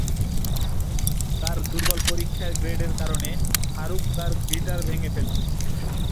তার দুর্বল পরীক্ষার গ্রেডের কারণে, ফারুক তার গিটার ভেঙ্গে ফেলে।